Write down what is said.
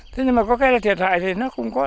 thế nhưng mà có cái là thiệt hại thì nó không có